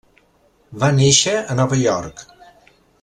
Va néixer a Nova York.